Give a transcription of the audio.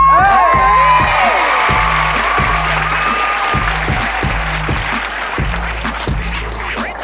เฮ้ยเฮ้ยเฮ้ยเฮ้ย